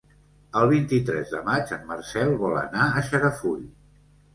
El vint-i-tres de maig en Marcel vol anar a Xarafull.